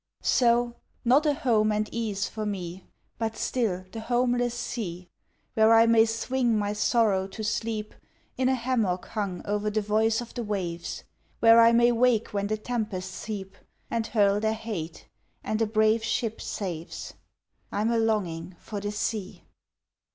So, not a home and ease for me But still the homeless sea! Where I may swing my sorrow to sleep In a hammock hung o'er the voice of the waves, Where I may wake when the tempests heap And hurl their hate and a brave ship saves. (I'm a longing for the sea!)